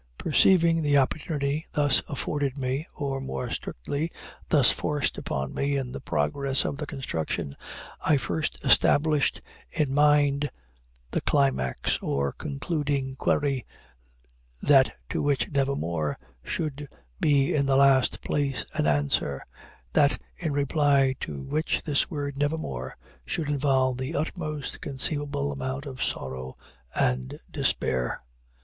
Perceiving the opportunity thus afforded me or, more strictly, thus forced upon me in the progress of the construction I first established in mind the climax, or concluding query that to which "Nevermore" should be in the last place an answer that in reply to which this word "Nevermore" should involve the utmost conceivable amount of sorrow and despair.